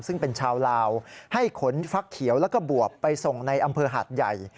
ซึ่งเป็นชาวลาวให้ขนฟักเขียวแล้วก็บวบไปส่งในอำเภอหาดใหญ่